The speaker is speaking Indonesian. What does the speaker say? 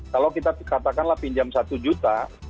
kalau kita katakanlah pinjam satu juta